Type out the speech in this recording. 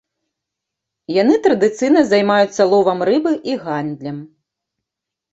Яны традыцыйна займаюцца ловам рыбы і гандлем.